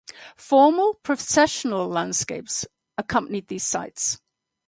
Formal processional landscapes accompanied these sites.